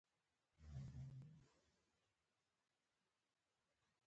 انجنیر باید څنګه وي؟